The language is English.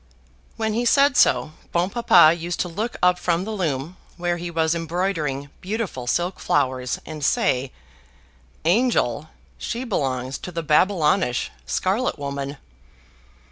When he said so, Bon Papa used to look up from the loom, where he was embroidering beautiful silk flowers, and say, "Angel! she belongs to the Babylonish scarlet woman."